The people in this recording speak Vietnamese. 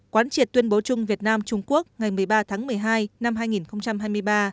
quán triệt tuyên bố chung việt nam trung quốc ngày một mươi ba tháng một mươi hai năm hai nghìn hai mươi ba